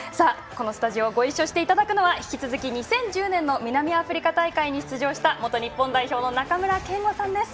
スタジオご一緒していただくのは引き続き２０１０年の南アフリカ大会に出場した元日本代表の中村憲剛さんです。